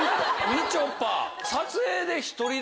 みちょぱ。